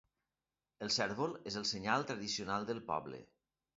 El cérvol és el senyal tradicional del poble.